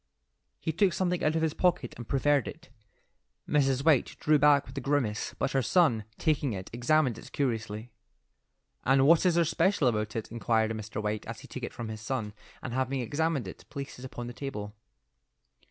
He took something out of his pocket and proffered it. Mrs. White drew back with a grimace, but her son, taking it, examined it curiously. "And what is there special about it?" inquired Mr. White as he took it from his son, and having examined it, placed it upon the table.